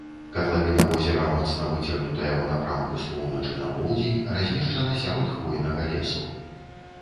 Катлавіна возера моцна выцягнутая ў напрамку з поўначы на поўдзень, размешчана сярод хвойнага лесу.